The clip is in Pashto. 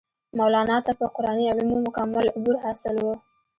مولانا ته پۀ قرآني علومو مکمل عبور حاصل وو